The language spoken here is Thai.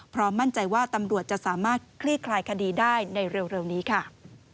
มั่นใจว่าตำรวจจะสามารถคลี่คลายคดีได้ในเร็วนี้ค่ะ